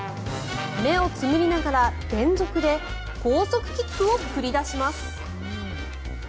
目をつむりながら連続で高速キックを繰り出します。